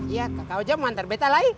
iya kakak oja mau antar betta lagi